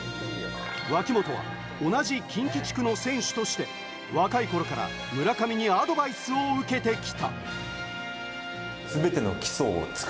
脇本は同じ近畿地区の選手として、若い頃から村上にアドバイスを受けてきた。